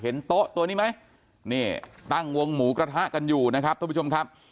โต๊ะตัวนี้ไหมนี่ตั้งวงหมูกระทะกันอยู่นะครับทุกผู้ชมครับ